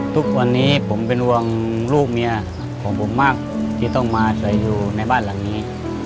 ทุกวันนี้ผมเป็นห่วงลูกเมียของผมมากที่ต้องมาใส่อยู่ในบ้านหลังนี้